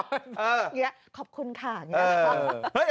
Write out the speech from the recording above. อย่างนี้ขอบคุณค่ะอย่างนี้